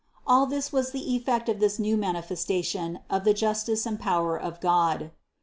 All this was the effect of this new manifestation of the jus tice and power of God. 109.